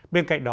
bên cạnh đó